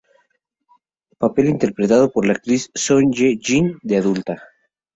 Papel interpretado por la actriz Son Ye-jin de adulta.